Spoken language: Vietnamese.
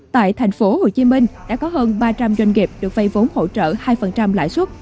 tại thành phố hồ chí minh đã có hơn ba trăm linh doanh nghiệp được vay vốn hỗ trợ hai lãi suất